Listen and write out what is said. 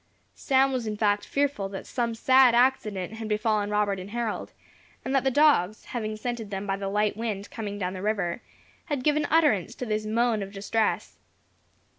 Sam was in fact fearful that some sad accident had befallen Robert and Harold, and that the dogs, having scented them by the light wind coming down the river, had given utterance to this moan of distress.